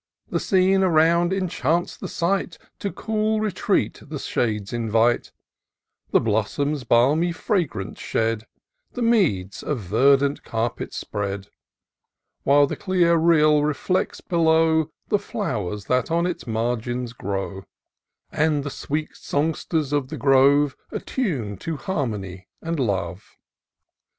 125 The scene around enchants the sight ; To cool retreat the shades invite ; The blossoms balmy fragrance shed ; The meads a verdant carpet spread ; While the clear rill reflects below The flowers that on its margin grow, And the sweet songsters of the grove Attune to harmony and love.